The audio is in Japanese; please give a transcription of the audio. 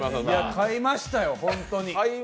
買いましたよ、ほんとに。